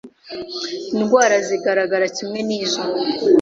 indwarav zigaragara kimw nizo,